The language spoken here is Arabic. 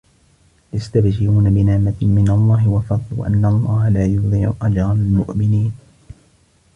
يستبشرون بنعمة من الله وفضل وأن الله لا يضيع أجر المؤمنين